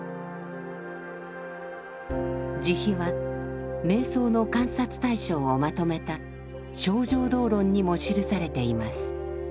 慈悲は瞑想の観察対象をまとめた「清浄道論」にも記されています。